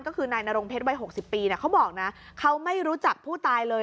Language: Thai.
ก็คือนายนรงเพชรวัย๖๐ปีเขาบอกนะเขาไม่รู้จักผู้ตายเลย